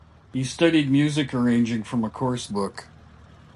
He studied music arranging from a course book.